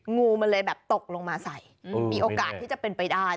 งูมันเลยแบบตกลงมาใส่มีโอกาสที่จะเป็นไปได้